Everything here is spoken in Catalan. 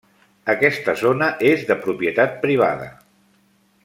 Aquesta zona és de propietat privada.